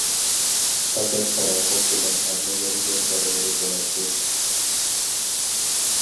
پەقەت پاراخوت بىلەن ھەممە يەرگە بارغىلى بولاتتى.